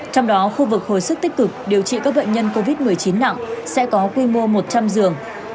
trong đó khu vực hồi sức tích cực điều trị các bệnh nhân covid một mươi chín nặng sẽ có quy mô một trăm linh giường